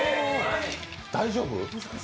大丈夫？